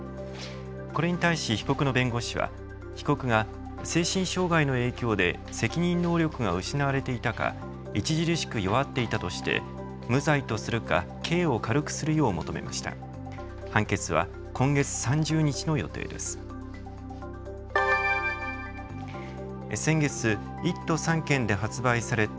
これに対し被告の弁護士は被告が精神障害の影響で責任能力が失われていたか著しく弱っていたとして無罪とするか刑を軽くするよう求めました。